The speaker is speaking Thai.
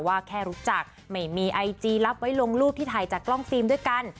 ว่าแค่รู้จักไม่มีไอจีรับไว้ลงรูปที่ถ่ายจากกล้องฟิล์มด้วยกัน